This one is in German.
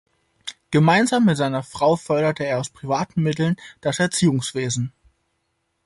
Gemeinsam mit seiner Frau förderte er aus privaten Mitteln das Erziehungswesen.